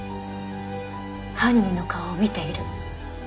犯人の顔を見ている。